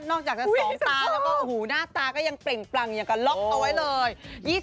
นอกจากจะสองตาหูหน้าตาก็ยังเปร่งปลั่งยังกระล็อกเอาไว้เลย